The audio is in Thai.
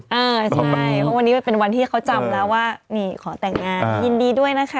เออใช่เพราะวันนี้มันเป็นวันที่เขาจำแล้วว่านี่ขอแต่งงานยินดีด้วยนะคะ